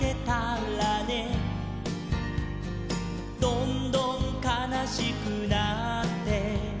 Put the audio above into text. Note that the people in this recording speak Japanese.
「どんどんかなしくなって」